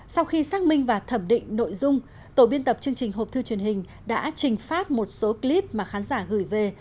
sau khi xác minh và thẩm định nội dung tổ biên tập chương trình hộp thư truyền hình đã trình phát một số clip mà khán giả gửi về